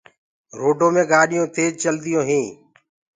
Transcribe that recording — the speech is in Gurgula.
روڊو مي گآڏيونٚ تيج چلديونٚ هينٚ